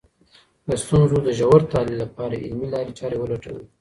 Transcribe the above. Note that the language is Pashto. د ستونزو د ژور تحلیل لپاره علمي لاري چارې ولټوئ.